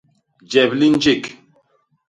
Jep li njék.